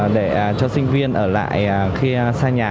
để cho sinh viên ở lại khi xa nhà